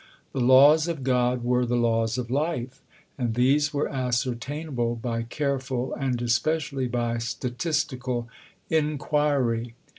The laws of God were the laws of life, and these were ascertainable by careful, and especially by statistical, inquiry.